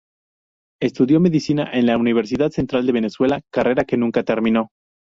Estudió medicina en la Universidad Central de Venezuela, carrera que nunca terminó.